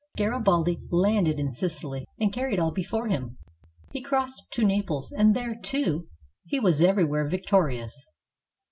Garibaldi landed in Sicily and carried all before him. He crossed to Naples, and there, too, he was everywhere victorious.